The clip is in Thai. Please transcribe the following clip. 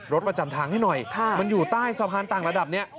ประจำทางให้หน่อยมันอยู่ใต้สะพานต่างระดับนี้